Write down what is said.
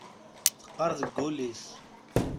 Teqqar deg wul-is.